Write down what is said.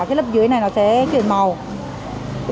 thì lớp dưới này nó sẽ chuyển màu